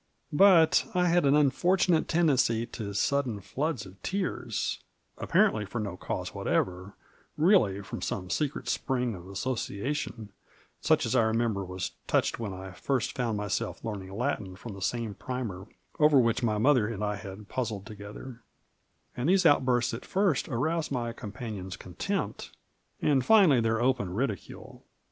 But I had an tmf ortunate tendency to sudden floods of tears (apparently for no cause whatever, really from some jsecret spring of association, such as 1 remember was touched when I first found myself learning Latin from the same primer over which my mother and I had puzzled together), and these outbursts at first aroused my companions' contempt, and finally their open ridicule.